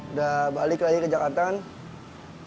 udah balik lagi ke jakarta kan